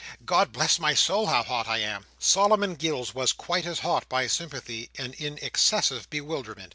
—God bless my soul, how hot I am!" Solomon Gills was quite as hot, by sympathy, and in excessive bewilderment.